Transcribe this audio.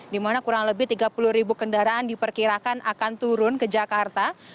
dimana kurang lebih tiga puluh kendaraan diperkirakan akan turun ke jakarta